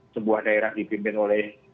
sebuah daerah dipimpin oleh